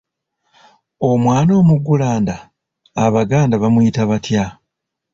Omwana omuggulanda, Abaganda bamuyita batya?